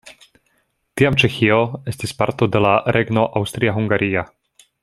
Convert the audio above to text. Tiam Ĉeĥio estis parto de la regno Aŭstria-Hungaria.